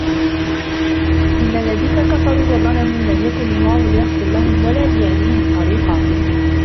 إِنَّ الَّذِينَ كَفَرُوا وَظَلَمُوا لَمْ يَكُنِ اللَّهُ لِيَغْفِرَ لَهُمْ وَلَا لِيَهْدِيَهُمْ طَرِيقًا